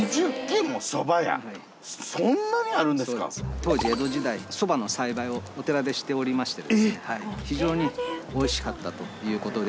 そんなにあるんですか⁉当時江戸時代そばの栽培をお寺でしておりまして非常においしかったということで。